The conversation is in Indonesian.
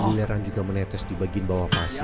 belerang juga menetes di bagian bawah pasir